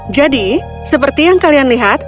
seperti yang kalian lihat